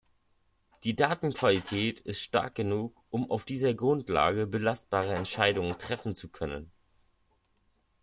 Die Datenqualität ist stark genug, um auf dieser Grundlage belastbare Entscheidungen treffen zu können.